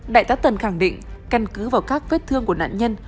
đại tá tần khẳng định căn cứ vào các vết thương của nạn nhân